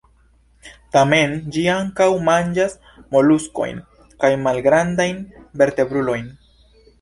Tamen, ĝi ankaŭ manĝas moluskojn kaj malgrandajn vertebrulojn.